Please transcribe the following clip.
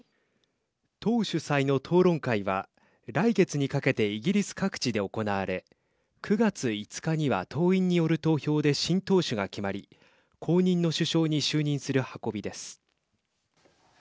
党主催の討論会は、来月にかけてイギリス各地で行われ９月５日には、党員による投票で新党首が決まり、後任の首相に就任する運びです。